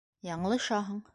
Яңылышаһың.